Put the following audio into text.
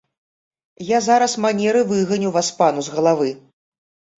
Я зараз манеры выганю васпану з галавы!